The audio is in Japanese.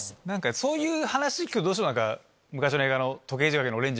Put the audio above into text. そういう話聞くとどうしても昔の映画。